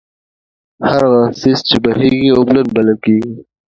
هر هغه څيز چې بهېږي، اوبلن بلل کيږي